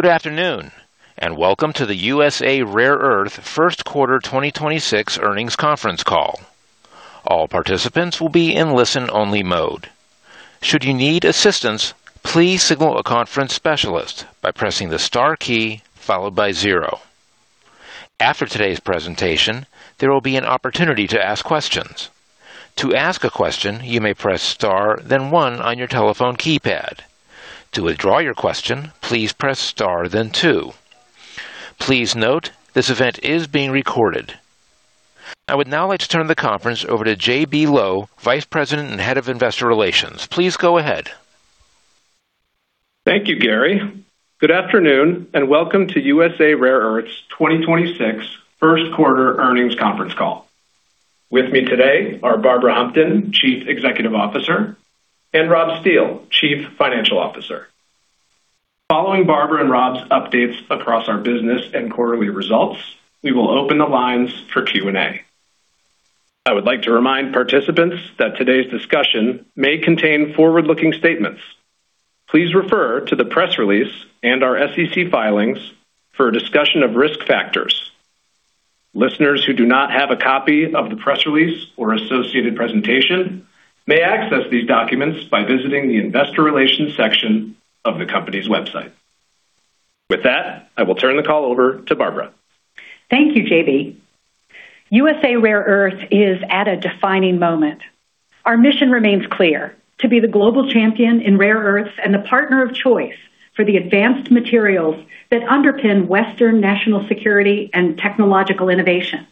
Good afternoon, and welcome to the USA Rare Earth First Quarter 2026 Earnings Conference Call. All participants will be in listen-only mode. I would now like to turn the conference over to J.B. Lowe, Vice President and Head of Investor Relations. Please go ahead. Thank you, Gary. Good afternoon, and welcome to USA Rare Earth's 2026 first quarter earnings conference call. With me today are Barbara Humpton, Chief Executive Officer, and Rob Steele, Chief Financial Officer. Following Barbara and Rob's updates across our business and quarterly results, we will open the lines for Q&A. I would like to remind participants that today's discussion may contain forward-looking statements. Please refer to the press release and our SEC filings for a discussion of risk factors. Listeners who do not have a copy of the press release or associated presentation may access these documents by visiting the investor relations section of the company's website. With that, I will turn the call over to Barbara. Thank you, J.B. USA Rare Earth is at a defining moment. Our mission remains clear: to be the global champion in rare earths and the partner of choice for the advanced materials that underpin Western national security and technological innovation.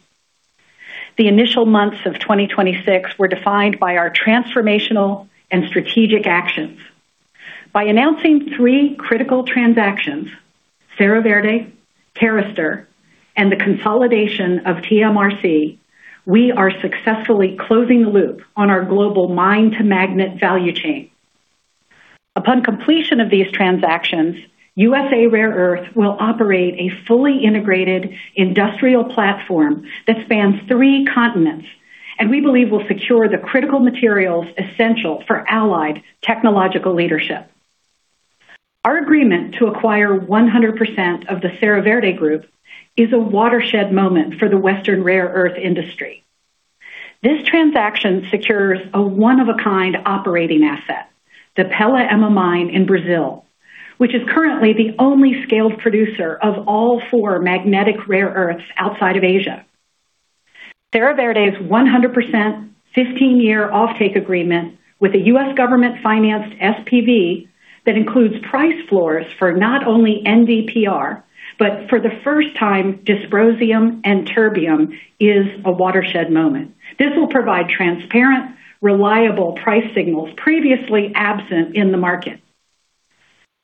The initial months of 2026 were defined by our transformational and strategic actions. By announcing three critical transactions, Serra Verde, Carester, and the consolidation of TMRC, we are successfully closing the loop on our global mine-to-magnet value chain. Upon completion of these transactions, USA Rare Earth will operate a fully integrated industrial platform that spans three continents and we believe will secure the critical materials essential for allied technological leadership. Our agreement to acquire 100% of the Serra Verde Group is a watershed moment for the Western rare earth industry. This transaction secures a one-of-a-kind operating asset, the Pela Ema mine in Brazil, which is currently the only scaled producer of all four magnetic rare earths outside of Asia. Serra Verde's 100% 15-year offtake agreement with the U.S. government-financed SPV that includes price floors for not only NdPr, but for the first time dysprosium and terbium is a watershed moment. This will provide transparent, reliable price signals previously absent in the market.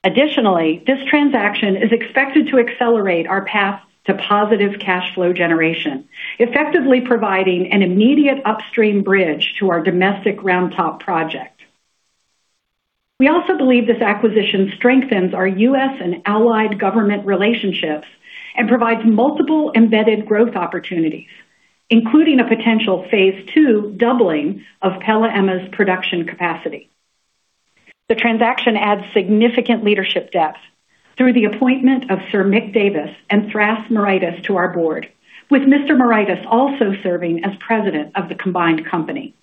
Additionally, this transaction is expected to accelerate our path to positive cash flow generation, effectively providing an immediate upstream bridge to our domestic Round Top project. We also believe this acquisition strengthens our U.S. and allied government relationships and provides multiple embedded growth opportunities, including a potential phase 2 doubling of Pela Ema's production capacity. The transaction adds significant leadership depth through the appointment of Sir Mick Davis and Thras Moraitis to our board, with Mr. Moraitis also serving as President of the combined company.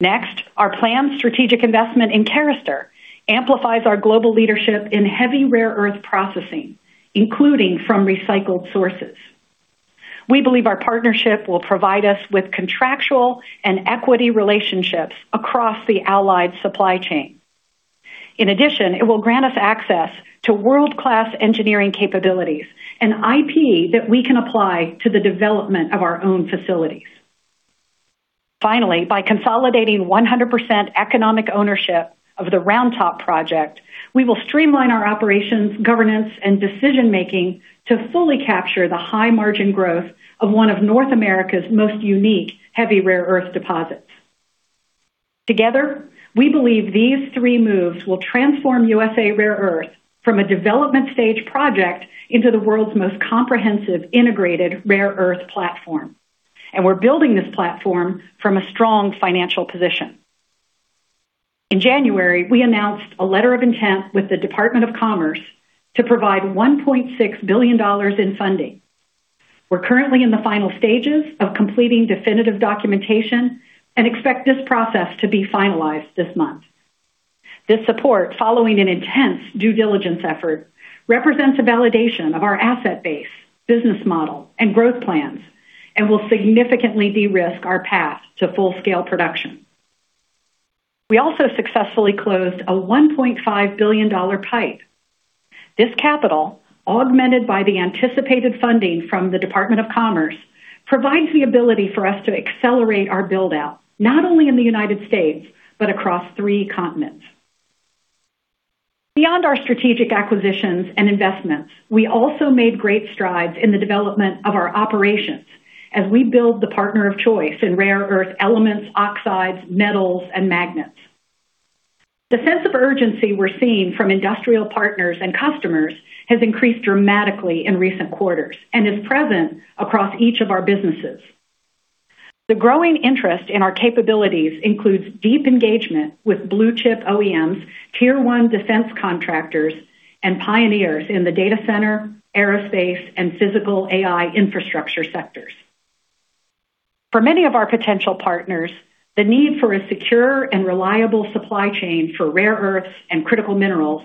Next, our planned strategic investment in Carester amplifies our global leadership in heavy rare earth processing, including from recycled sources. We believe our partnership will provide us with contractual and equity relationships across the allied supply chain. In addition, it will grant us access to world-class engineering capabilities and IP that we can apply to the development of our own facilities. Finally, by consolidating 100% economic ownership of the Round Top project, we will streamline our operations, governance, and decision-making to fully capture the high margin growth of one of North America's most unique heavy rare earth deposits. Together, we believe these three moves will transform USA Rare Earth from a development stage project into the world's most comprehensive integrated rare earth platform, and we're building this platform from a strong financial position. In January, we announced a letter of intent with the Department of Commerce to provide $1.6 billion in funding. We're currently in the final stages of completing definitive documentation and expect this process to be finalized this month. This support, following an intense due diligence effort, represents a validation of our asset base, business model, and growth plans and will significantly de-risk our path to full scale production. We also successfully closed a $1.5 billion PIPE. This capital, augmented by the anticipated funding from the Department of Commerce, provides the ability for us to accelerate our build-out, not only in the United States, but across three continents. Beyond our strategic acquisitions and investments, we also made great strides in the development of our operations as we build the partner of choice in rare earth elements, oxides, metals, and magnets. The sense of urgency we're seeing from industrial partners and customers has increased dramatically in recent quarters and is present across each of our businesses. The growing interest in our capabilities includes deep engagement with blue-chip OEMs, tier 1 defense contractors, and pioneers in the data center, aerospace, and physical AI infrastructure sectors. For many of our potential partners, the need for a secure and reliable supply chain for rare earths and critical minerals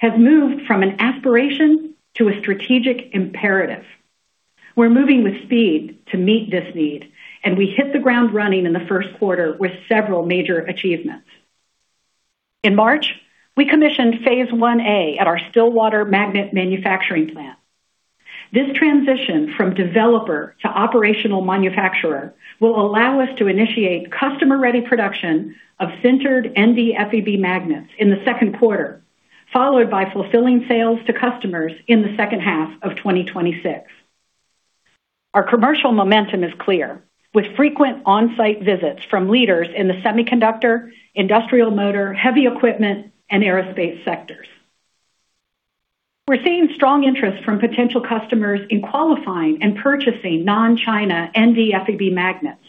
has moved from an aspiration to a strategic imperative. We're moving with speed to meet this need. We hit the ground running in the first quarter with several major achievements. In March, we commissioned phase 1A at our Stillwater magnet manufacturing plant. This transition from developer to operational manufacturer will allow us to initiate customer-ready production of sintered NdFeB magnets in the second quarter, followed by fulfilling sales to customers in the second half of 2026. Our commercial momentum is clear, with frequent on-site visits from leaders in the semiconductor, industrial motor, heavy equipment, and aerospace sectors. We're seeing strong interest from potential customers in qualifying and purchasing non-China NdFeB magnets.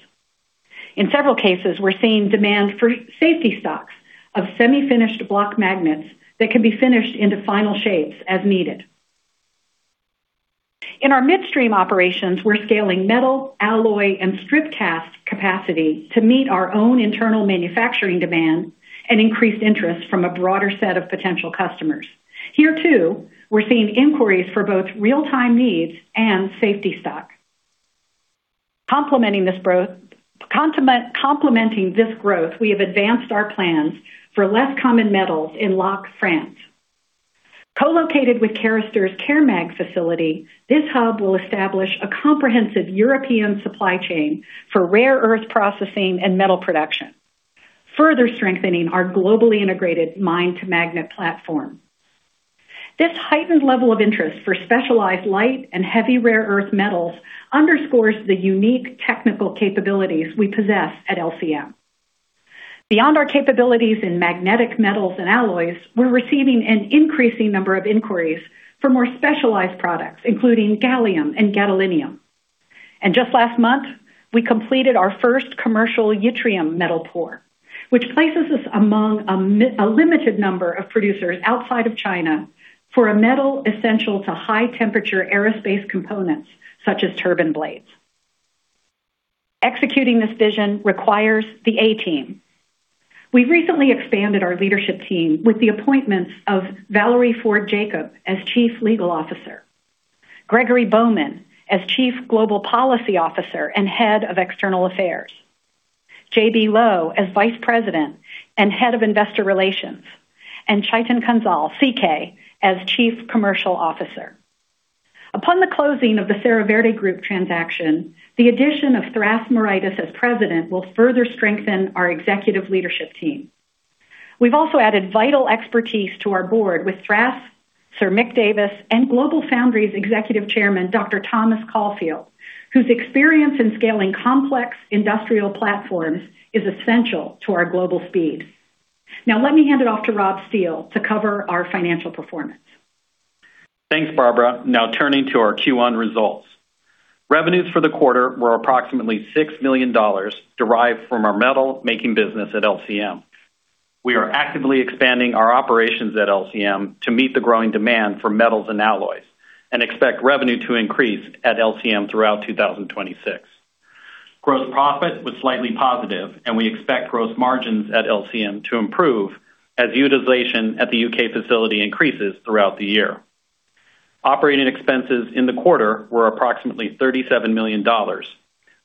In several cases, we're seeing demand for safety stocks of semi-finished block magnets that can be finished into final shapes as needed. In our midstream operations, we're scaling metal, alloy, and strip cast capacity to meet our own internal manufacturing demand and increased interest from a broader set of potential customers. Here, too, we're seeing inquiries for both real-time needs and safety stock. Complementing this growth, we have advanced our plans for Less Common Metals in Lacq, France. Co-located with Carester's Caremag facility, this hub will establish a comprehensive European supply chain for rare earth processing and metal production, further strengthening our globally integrated mine-to-magnet platform. This heightened level of interest for specialized light and heavy rare earth metals underscores the unique technical capabilities we possess at LCM. Beyond our capabilities in magnetic metals and alloys, we're receiving an increasing number of inquiries for more specialized products, including gallium and gadolinium. Just last month, we completed our first commercial yttrium metal pour, which places us among a limited number of producers outside of China for a metal essential to high-temperature aerospace components, such as turbine blades. Executing this vision requires the A team. We recently expanded our leadership team with the appointments of Valerie Ford Jacob as Chief Legal Officer, Gregory Bowman as Chief Global Policy Officer and Head of External Affairs, J.B. Lowe as Vice President and Head of Investor Relations, and Chaitan Kansal, CK, as Chief Commercial Officer. Upon the closing of the Serra Verde Group transaction, the addition of Thras Moraitis as President will further strengthen our executive leadership team. We've also added vital expertise to our board with Thras, Sir Mick Davis, and GlobalFoundries Executive Chairman, Dr. Thomas Caulfield, whose experience in scaling complex industrial platforms is essential to our global speed. Now, let me hand it off to Rob Steele to cover our financial performance. Thanks, Barbara. Now turning to our Q1 results. Revenues for the quarter were approximately $6 million, derived from our metal-making business at LCM. We are actively expanding our operations at LCM to meet the growing demand for metals and alloys and expect revenue to increase at LCM throughout 2026. Gross profit was slightly positive, and we expect gross margins at LCM to improve as utilization at the U.K. facility increases throughout the year. Operating expenses in the quarter were approximately $37 million.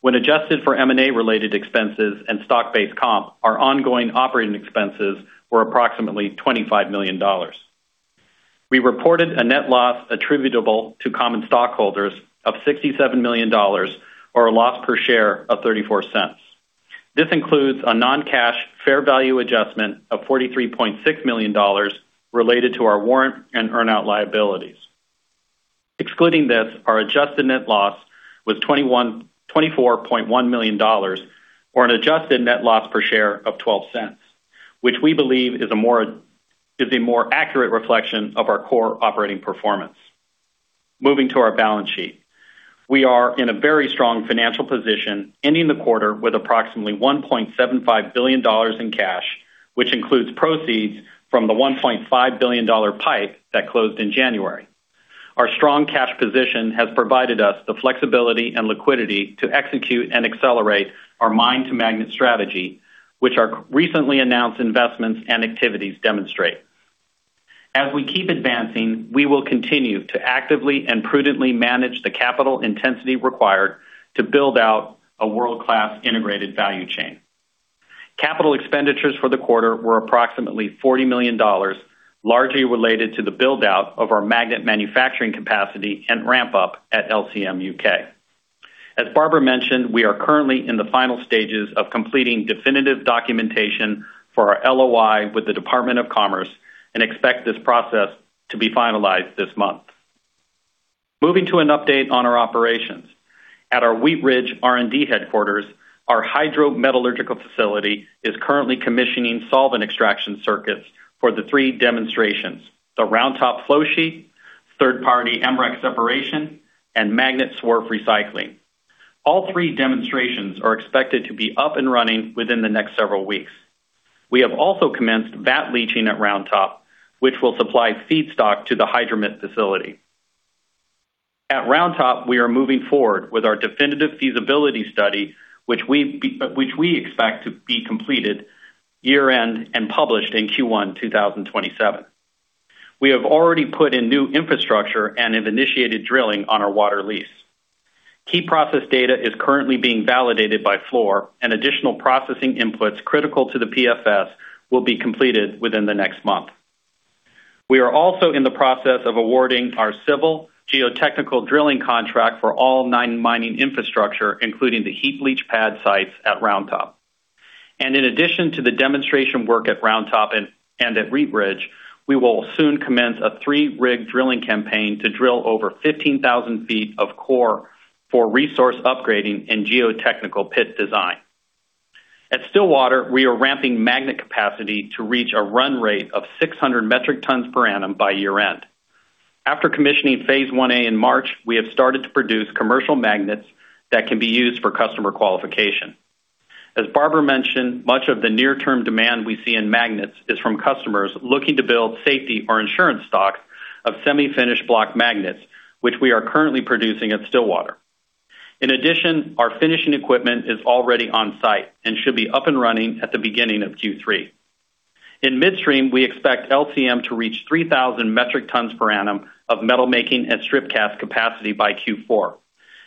When adjusted for M&A-related expenses and stock-based comp, our ongoing operating expenses were approximately $25 million. We reported a net loss attributable to common stockholders of $67 million or a loss per share of $0.34. This includes a non-cash fair value adjustment of $43.6 million related to our warrant and earn-out liabilities. Excluding this, our adjusted net loss was $24.1 million or an adjusted net loss per share of $0.12, which we believe is a more accurate reflection of our core operating performance. Moving to our balance sheet. We are in a very strong financial position, ending the quarter with approximately $1.75 billion in cash, which includes proceeds from the $1.5 billion PIPE that closed in January. Our strong cash position has provided us the flexibility and liquidity to execute and accelerate our mine-to-magnet strategy, which our recently announced investments and activities demonstrate. As we keep advancing, we will continue to actively and prudently manage the capital intensity required to build out a world-class integrated value chain. Capital expenditures for the quarter were approximately $40 million, largely related to the build-out of our magnet manufacturing capacity and ramp-up at LCM U.K. As Barbara mentioned, we are currently in the final stages of completing definitive documentation for our LOI with the Department of Commerce and expect this process to be finalized this month. Moving to an update on our operations. At our Wheat Ridge R&D headquarters, our hydrometallurgical facility is currently commissioning solvent extraction circuits for the three demonstrations: the Round Top flow sheet, third-party MREC separation and magnet swarf recycling. All three demonstrations are expected to be up and running within the next several weeks. We have also commenced vat leaching at Round Top, which will supply feedstock to the hydrometallurgical facility. At Round Top, we are moving forward with our definitive feasibility study, which we expect to be completed year-end and published in Q1 2027. We have already put in new infrastructure and have initiated drilling on our water lease. Key process data is currently being validated by Fluor and additional processing inputs critical to the PFS will be completed within the next month. We are also in the process of awarding our civil geotechnical drilling contract for all nine mining infrastructure, including the heap leach pad sites at Round Top. In addition to the demonstration work at Round Top and at Wheat Ridge, we will soon commence a three-rig drilling campaign to drill over 15,000 feet of core for resource upgrading and geotechnical pit design. At Stillwater, we are ramping magnet capacity to reach a run rate of 600 metric tons per annum by year-end. After commissioning phase 1A in March, we have started to produce commercial magnets that can be used for customer qualification. As Barbara mentioned, much of the near-term demand we see in magnets is from customers looking to build safety or insurance stock of semi-finished block magnets, which we are currently producing at Stillwater. In addition, our finishing equipment is already on site and should be up and running at the beginning of Q3. In midstream, we expect LCM to reach 3,000 metric tons per annum of metal making at strip cast capacity by Q4.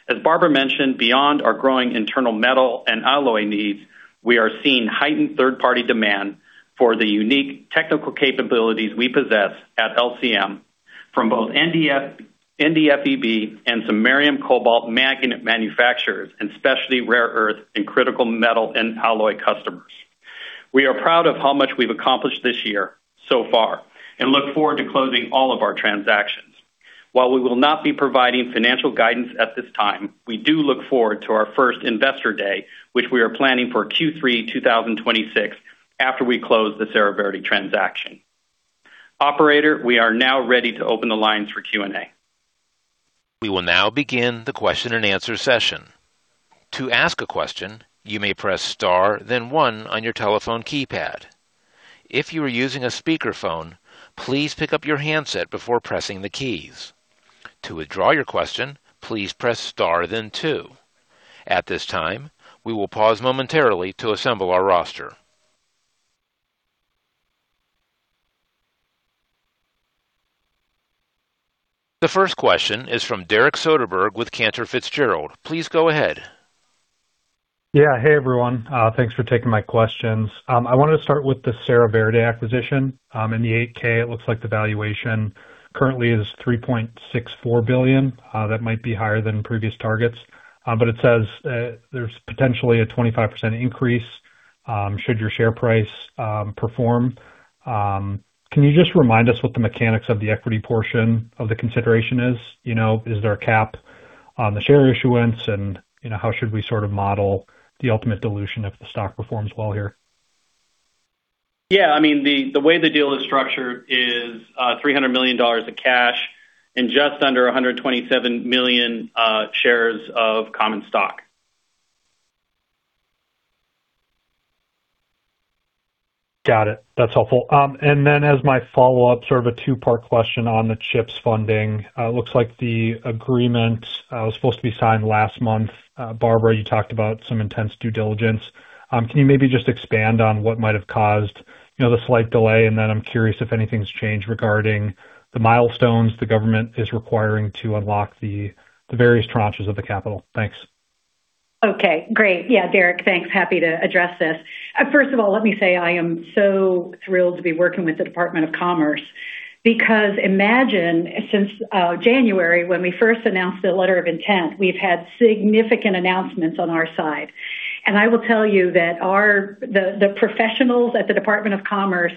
As Barbara mentioned, beyond our growing internal metal and alloy needs, we are seeing heightened third-party demand for the unique technical capabilities we possess at LCM from both NdFeB and samarium cobalt magnet manufacturers and specialty rare earth and critical metal and alloy customers. We are proud of how much we've accomplished this year so far and look forward to closing all of our transactions. While we will not be providing financial guidance at this time, we do look forward to our first Investor Day, which we are planning for Q3 2026 after we close the Serra Verde transaction. Operator, we are now ready to open the lines for Q&A. We will now begin the question-and-answer session. To ask a question, you may press star, then one on your telephone keypad. If you are using a speakerphone, please pick up your handset before pressing the keys. To withdraw your question, please press star then two. At this time, we will pause momentarily to assemble our roster. The first question is from Derek Soderberg with Cantor Fitzgerald. Please go ahead. Yeah. Hey, everyone. Thanks for taking my questions. I wanted to start with the Serra Verde acquisition. In the 8-K, it looks like the valuation currently is $3.64 billion. That might be higher than previous targets. But it says, there's potentially a 25% increase, should your share price perform. Can you just remind us what the mechanics of the equity portion of the consideration is? You know, is there a cap on the share issuance? You know, how should we sort of model the ultimate dilution if the stock performs well here? Yeah, I mean, the way the deal is structured is $300 million of cash and just under 127 million shares of common stock. Got it. That's helpful. As my follow-up, sort of a two-part question on the CHIPS funding. It looks like the agreement was supposed to be signed last month. Barbara, you talked about some intense due diligence. Can you maybe just expand on what might have caused, you know, the slight delay? I'm curious if anything's changed regarding the milestones the government is requiring to unlock the various tranches of the capital. Thanks. Okay, great. Yeah, Derek, thanks. Happy to address this. First of all, let me say I am so thrilled to be working with the Department of Commerce because imagine since January, when we first announced the letter of intent, we've had significant announcements on our side. I will tell you that the professionals at the Department of Commerce,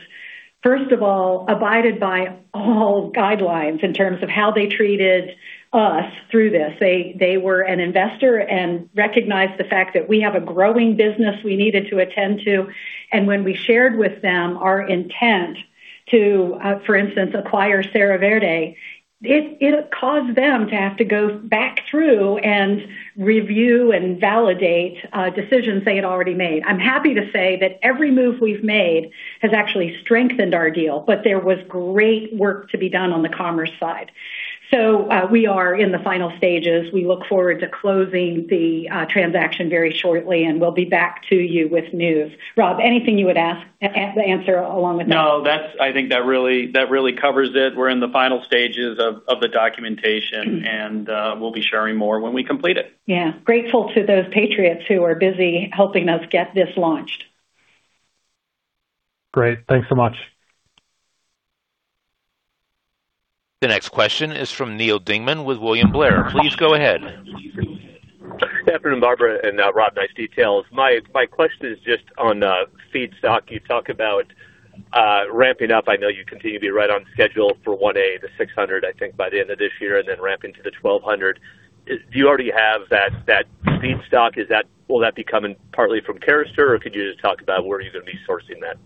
first of all, abided by all guidelines in terms of how they treated us through this. They were an investor and recognized the fact that we have a growing business we needed to attend to. When we shared with them our intent to, for instance, acquire Serra Verde, it caused them to have to go back through and review and validate decisions they had already made. I'm happy to say that every move we've made has actually strengthened our deal. There was great work to be done on the Commerce side. We are in the final stages. We look forward to closing the transaction very shortly, and we'll be back to you with news. Rob, anything you would answer along with that? No, I think that really covers it. We're in the final stages of the documentation and we'll be sharing more when we complete it. Grateful to those patriots who are busy helping us get this launched. Great. Thanks so much. The next question is from Neal Dingmann with William Blair. Please go ahead. Good afternoon, Barbara and Rob. Nice details. My question is just on feedstock. You talk about ramping up. I know you continue to be right on schedule for 1A, the 600, I think by the end of this year, and then ramping to the 1,200. Do you already have that feedstock? Will that be coming partly from Carester, or could you just talk about where are you gonna be sourcing that?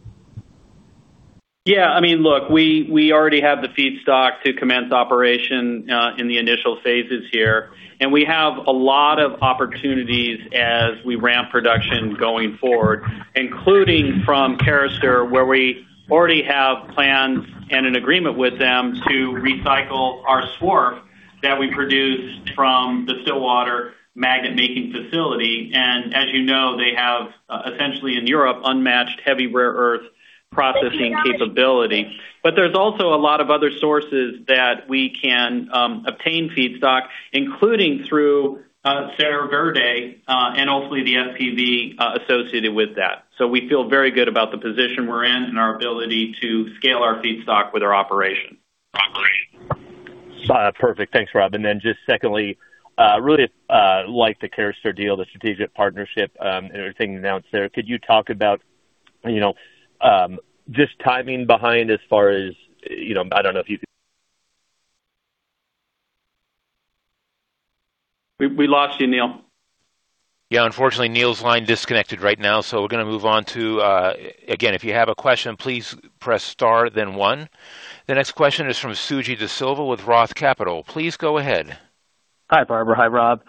I mean, look, we already have the feedstock to commence operation in the initial phases here, and we have a lot of opportunities as we ramp production going forward, including from Carester, where we already have plans and an agreement with them to recycle our swarf that we produce from the Stillwater magnet-making facility. As you know, they have essentially in Europe, unmatched heavy rare earth processing capability. There's also a lot of other sources that we can obtain feedstock, including through Serra Verde, and hopefully the SPV associated with that. We feel very good about the position we're in and our ability to scale our feedstock with our operation. Perfect. Thanks, Rob. Then just secondly, really, like the Carester deal, the strategic partnership, everything announced there. Could you talk about, you know, just timing behind as far as, you know, I don't know if you? We lost you, Neal. Yeah, unfortunately, Neal's line disconnected right now, so we're gonna move on to, Again, if you have a question, please press star then one. The next question is from Suji Desilva with ROTH Capital. Please go ahead. Hi, Barbara. Hi, Rob.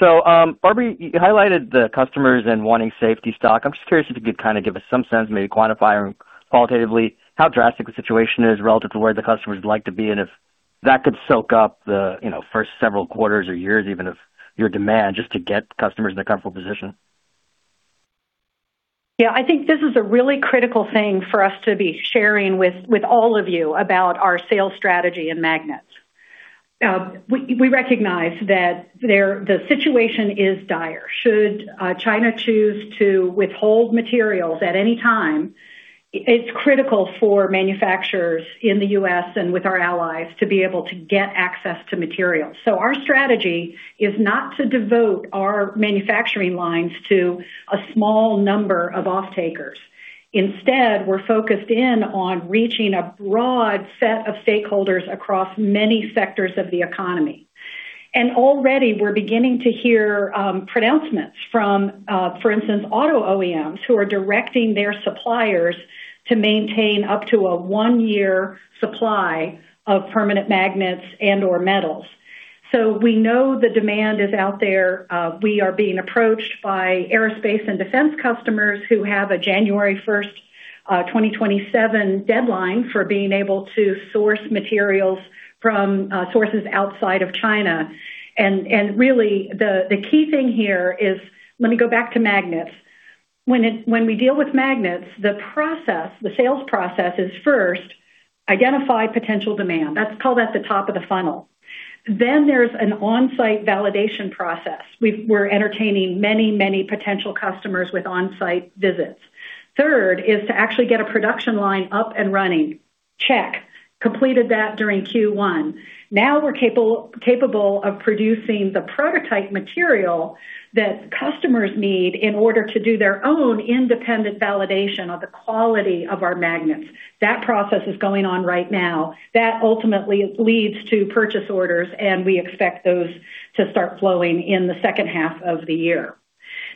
Barbara, you highlighted the customers and wanting safety stock. I'm just curious if you could kind of give us some sense, maybe quantify or qualitatively how drastic the situation is relative to where the customers would like to be, and if that could soak up the, you know, first several quarters or years, even if your demand just to get customers in a comfortable position? Yeah. I think this is a really critical thing for us to be sharing with all of you about our sales strategy and magnets. We recognize that the situation is dire. Should China choose to withhold materials at any time, it's critical for manufacturers in the U.S. and with our allies to be able to get access to materials. Our strategy is not to devote our manufacturing lines to a small number of off-takers. Instead, we're focused in on reaching a broad set of stakeholders across many sectors of the economy. Already we're beginning to hear pronouncements from, for instance, auto OEMs who are directing their suppliers to maintain up to a one-year supply of permanent magnets and/or metals. We know the demand is out there. We are being approached by aerospace and defense customers who have a January 1st, 2027 deadline for being able to source materials from sources outside of China. Really the key thing here is let me go back to magnets. When we deal with magnets, the process, the sales process is first identify potential demand. That's called at the top of the funnel. There's an on-site validation process. We're entertaining many, many potential customers with on-site visits. Third is to actually get a production line up and running. Check. Completed that during Q1. We're capable of producing the prototype material that customers need in order to do their own independent validation of the quality of our magnets. That process is going on right now. That ultimately leads to purchase orders, and we expect those to start flowing in the second half of the year.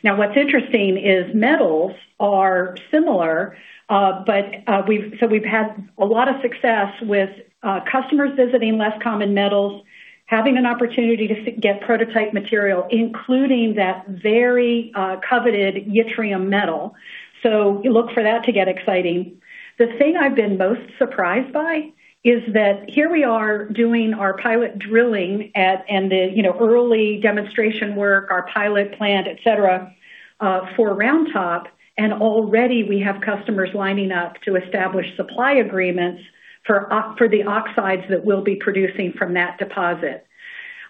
What's interesting is metals are similar, but we've had a lot of success with customers visiting Less Common Metals, having an opportunity to get prototype material, including that very coveted yttrium metal. Look for that to get exciting. The thing I've been most surprised by is that here we are doing our pilot drilling at and the early demonstration work, our pilot plant, et cetera, for Round Top, and already we have customers lining up to establish supply agreements for the oxides that we'll be producing from that deposit.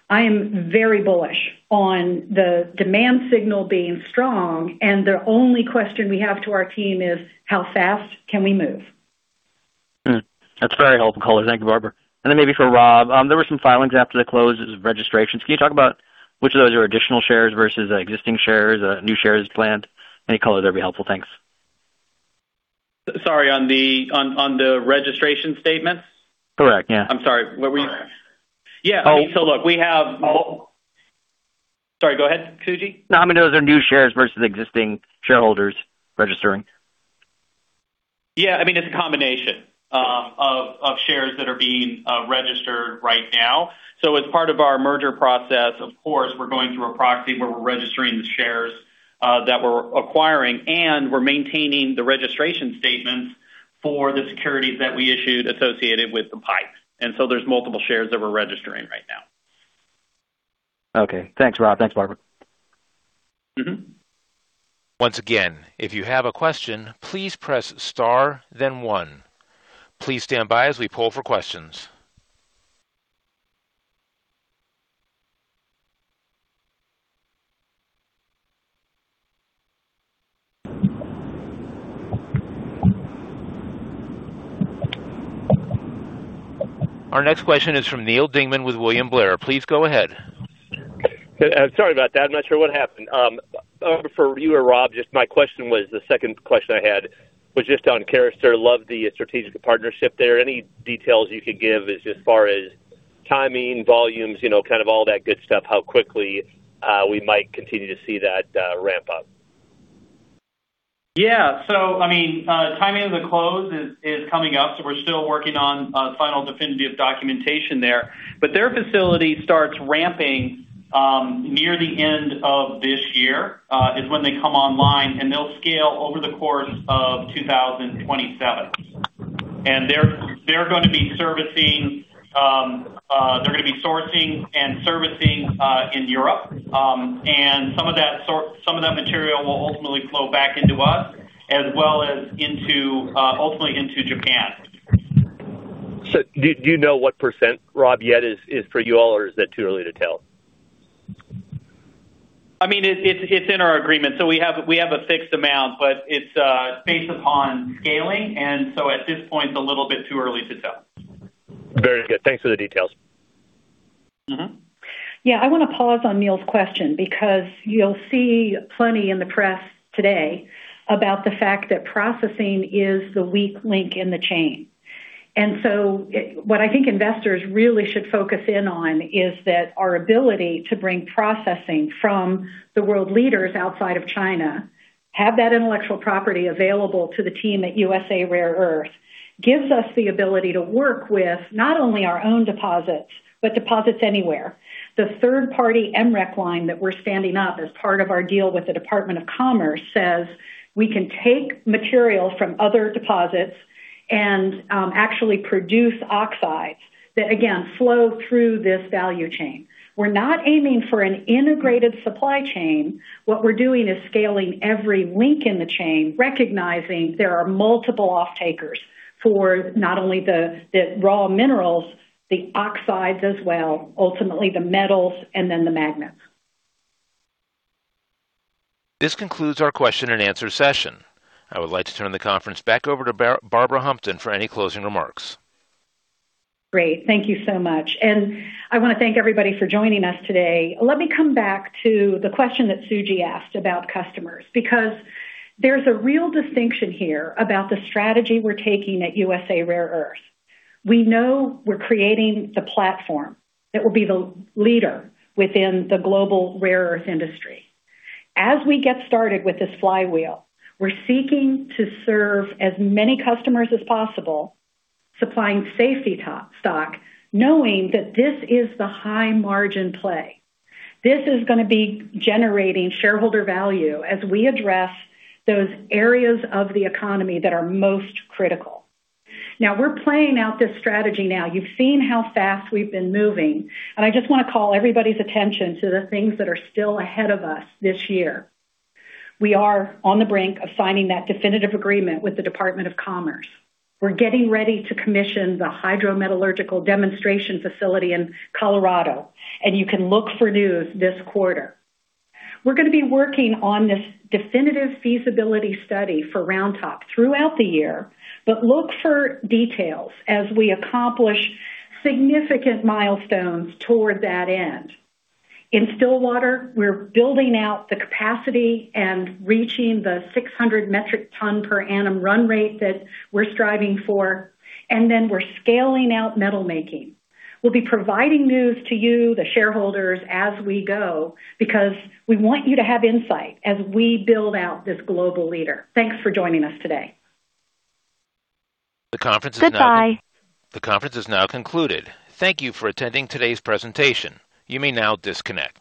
I am very bullish on the demand signal being strong, and the only question we have to our team is: How fast can we move? That's very helpful color. Thank you, Barbara. Then maybe for Rob, there were some filings after the close registrations. Can you talk about which of those are additional shares versus existing shares, new shares planned? Any color there would be helpful. Thanks. Sorry, on the registration statements? Correct. Yeah. I'm sorry. Where were you? Oh. Yeah. I mean, look, we have. Sorry. Go ahead, Suji. No, I mean, those are new shares versus existing shareholders registering. Yeah. I mean, it's a combination of shares that are being registered right now. As part of our merger process, of course, we're going through a proxy where we're registering the shares that we're acquiring, and we're maintaining the registration statements for the securities that we issued associated with the PIPE. There's multiple shares that we're registering right now. Okay. Thanks, Rob. Thanks, Barbara. Once again, if you have a question, please press star then one. Please stand by as we poll for questions. Our next question is from Neal Dingmann with William Blair. Please go ahead. Sorry about that. I'm not sure what happened. For you or Rob, my question was, the second question I had was on Carester. Love the strategic partnership there. Any details you could give as far as timing, volumes, you know, kind of all that good stuff, how quickly we might continue to see that ramp up. Timing of the close is coming up, we're still working on final definitive documentation there. Their facility starts ramping near the end of this year, is when they come online, and they'll scale over the course of 2027. They're gonna be servicing, they're gonna be sourcing and servicing in Europe. Some of that material will ultimately flow back into us as well as into ultimately into Japan. Do you know what percent, Rob, yet is for you all, or is that too early to tell? I mean, it's in our agreement, so we have a fixed amount, but it's based upon scaling, and so at this point it's a little bit too early to tell. Very good. Thanks for the details. Yeah, I want to pause on Neal's question because you'll see plenty in the press today about the fact that processing is the weak link in the chain. What I think investors really should focus in on is that our ability to bring processing from the world leaders outside of China, have that intellectual property available to the team at USA Rare Earth gives us the ability to work with not only our own deposits, but deposits anywhere. The third party MREC line that we're standing up as part of our deal with the Department of Commerce says we can take material from other deposits and actually produce oxides that, again, flow through this value chain. We're not aiming for an integrated supply chain. What we're doing is scaling every link in the chain, recognizing there are multiple off-takers for not only the raw minerals, the oxides as well, ultimately the metals and then the magnets. This concludes our question and answer session. I would like to turn the conference back over to Barbara Humpton for any closing remarks. Great. Thank you so much. I wanna thank everybody for joining us today. Let me come back to the question that Suji asked about customers, because there's a real distinction here about the strategy we're taking at USA Rare Earth. We know we're creating the platform that will be the leader within the global rare earth industry. As we get started with this flywheel, we're seeking to serve as many customers as possible, supplying safety stock, knowing that this is the high margin play. This is gonna be generating shareholder value as we address those areas of the economy that are most critical. We're playing out this strategy now. You've seen how fast we've been moving, I just wanna call everybody's attention to the things that are still ahead of us this year. We are on the brink of signing that definitive agreement with the Department of Commerce. We're getting ready to commission the hydrometallurgical demonstration facility in Colorado. You can look for news this quarter. We're gonna be working on this definitive feasibility study for Round Top throughout the year. Look for details as we accomplish significant milestones toward that end. In Stillwater, we're building out the capacity and reaching the 600 metric ton per annum run rate that we're striving for. Then we're scaling out metal making. We'll be providing news to you, the shareholders, as we go because we want you to have insight as we build out this global leader. Thanks for joining us today. The conference is now con- Goodbye. The conference is now concluded. Thank you for attending today's presentation. You may now disconnect.